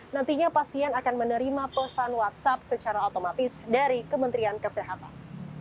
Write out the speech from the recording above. nantinya pasien akan menerima pesan whatsapp secara otomatis dari kementerian kesehatan